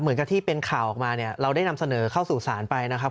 เหมือนกับที่เป็นข่าวออกมาเนี่ยเราได้นำเสนอเข้าสู่ศาลไปนะครับ